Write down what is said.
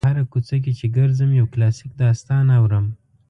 په هره کوڅه کې چې ګرځم یو کلاسیک داستان اورم.